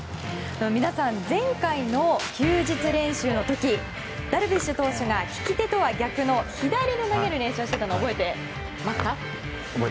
皆さん、前回の休日練習の時ダルビッシュ投手が利き手とは逆の左で投げる練習をしていたのを覚えていますか。